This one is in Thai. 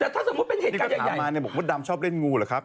แต่ถ้าสมมุติเป็นเหตุการณ์ใหญ่มาเนี่ยบอกมดดำชอบเล่นงูเหรอครับ